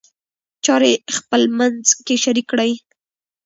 چارې خپلمنځ کې شریک کړئ.